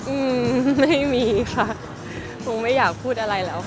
อืมไม่มีค่ะคงไม่อยากพูดอะไรแล้วค่ะ